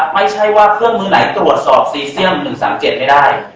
ไม่ใช่ว่าเครื่องมือไหนตรวจสอบซีเซียม๑๓๗ไม่ได้